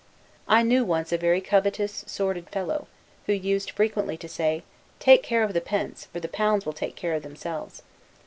I knew once a very covetous, sordid fellow, who used frequently to say, "Take care of the pence; for the pounds will take care of themselves."